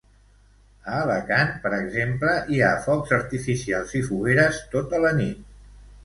A Alacant, per exemple, hi ha focs artificials i fogueres tota la nit.